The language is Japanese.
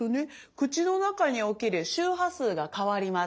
口の中における周波数が変わります。